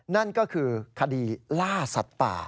นั่นก็คือคดีล่าสัตว์ป่า